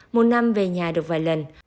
một năm về nhà được vài lần